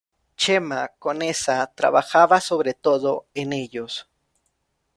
Chema Conesa trabajaba sobre todo en ellos.